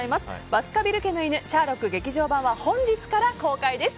「バスカヴィル家の犬シャーロック劇場版」は本日から公開です。